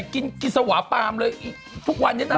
อ้าวไอ้ผีกูจะไปรู้เรื่องก็ได้ยังไง